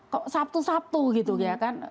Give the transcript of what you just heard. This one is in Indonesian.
kok sabtu sabtu gitu ya kan